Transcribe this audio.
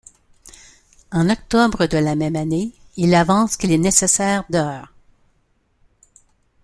En octobre de la même année, il avance qu'il est nécessaire d'.